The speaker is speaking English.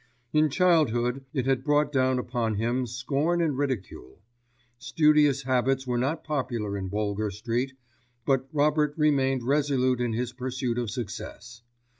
In childhood it had brought down upon him scorn and ridicule. Studious habits were not popular in Boulger Street; but Robert remained resolute in his pursuit of success.